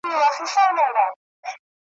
اشنا باور کړي د غماز په ژ به